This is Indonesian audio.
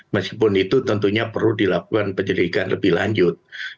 meskipun itu tentunya perlu dilakukan penyelidikan lebih lanjut